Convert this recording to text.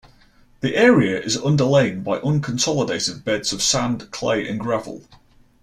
The area is underlain by unconsolidated beds of sand, clay and gravel.